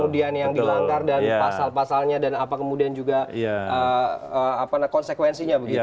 jadi ini sudah dilanggar dan pasal pasalnya dan apa kemudian juga konsekuensinya begitu